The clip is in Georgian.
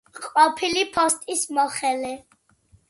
ყოფილი ფოსტის მოხელე.